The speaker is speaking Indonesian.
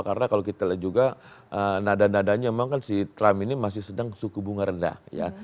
karena kalau kita lihat juga nada nadanya memang kan si trump ini masih sedang suku bunga rendah ya